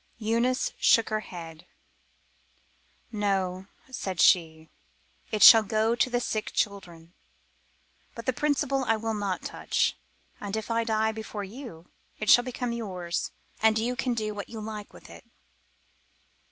Eunice shook her head. "No," said she, "it shall go to the sick children, but the principal I will not touch, and if I die before you it shall become yours and you can do what you like with it."